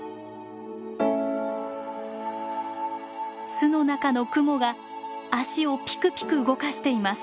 巣の中のクモが脚をぴくぴく動かしています。